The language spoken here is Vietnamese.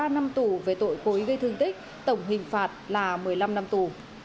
ba năm tù về tội cố ý gây thương tích tổng hình phạt là một mươi năm năm tù